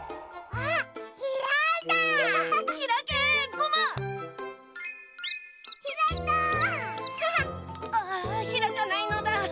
あひらかないのだ！